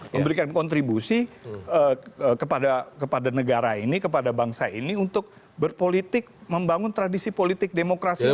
memberikan kontribusi kepada negara ini kepada bangsa ini untuk berpolitik membangun tradisi politik demokrasi